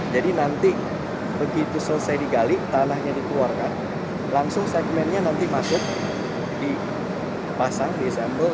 jadi nanti begitu selesai digali tanahnya dikeluarkan langsung segmennya nanti masuk dipasang diassemble